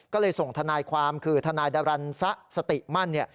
ก็เลยส่งทนายความคือทนายดรันซะสติมั่น